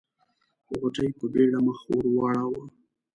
غوټۍ په بيړه مخ ور واړاوه.